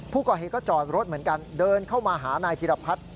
ผู้ก่อเหตุก็จอดรถเหมือนกันเดินเข้ามาหานายธิรพัฒน์